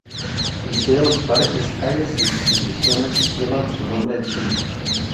Liceos, parques, calles e instituciones llevan su nombre en Chile.